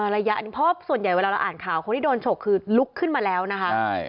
ระยะหนึ่งเพราะส่วนใหญ่เวลาเราอ่านข่าวคนที่โดนฉกคือลุกขึ้นมาแล้วนะคะ